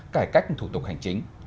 cải cách thủ tục hành chính